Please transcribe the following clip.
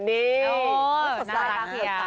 นี่คนนาน่ะ